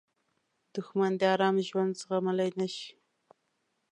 دښمن د آرام ژوند زغملی نه شي